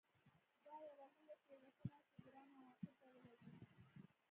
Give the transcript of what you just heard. دا یوه لویه تېروتنه ده چې ګران عواقب به ولري